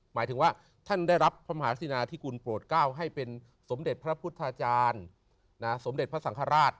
หมายถึงว่าท่านได้รับพระมหาศินาธิกุลโปรดเก้าให้เป็นสมเด็จพระพุทธาจารย์สมเด็จพระสังฆราช